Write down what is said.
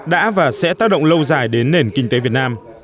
đã và sẽ tác động lâu dài đến nền kinh tế việt nam